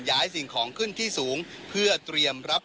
สิ่งของขึ้นที่สูงเพื่อเตรียมรับ